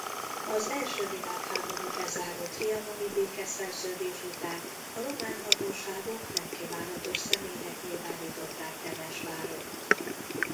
Az első világháborút lezáró trianoni békeszerződés után a román hatóságok nemkívánatos személynek nyilvánították Temesvárott.